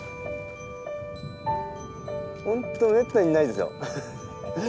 本当めったにないですよ。